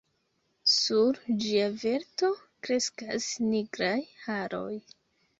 Sur ĝia verto kreskas nigraj haroj.